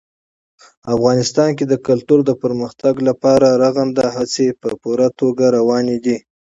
افغانستان کې د کلتور د پرمختګ لپاره رغنده هڅې په پوره توګه روانې دي.